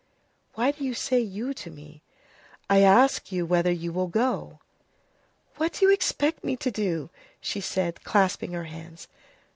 "Why do you say you to me?" "I ask you whether you will go?" "What do you expect me to do?" she said, clasping her hands.